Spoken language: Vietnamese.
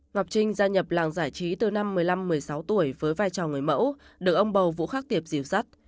ngọc trinh gia nhập làng giải trí từ năm một mươi năm một mươi sáu tuổi với vai trò người mẫu được ông bầu vũ khắc tiệp diều sắt